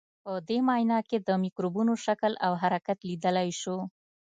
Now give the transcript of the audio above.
په دې معاینه کې د مکروبونو شکل او حرکت لیدلای شو.